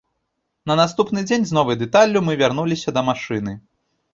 На наступны дзень з новай дэталлю мы вярнуліся да машыны.